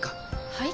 はい？